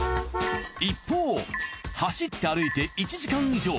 一方走って歩いて１時間以上。